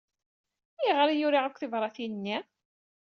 Ayɣer ay uriɣ akk tibṛatin-nni?